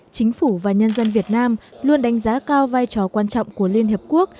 chính phủ và nhân dân việt nam luôn đánh giá cao vai trò quan trọng của liên hiệp quốc